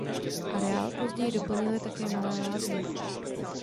Areál později doplnily také malé lázně.